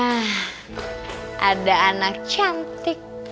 nah ada anak cantik